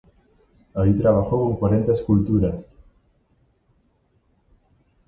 Ahí trabajó con cuarenta esculturas.